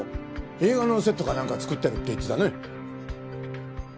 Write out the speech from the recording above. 映画のセットかなんか作ってるって言ってたね。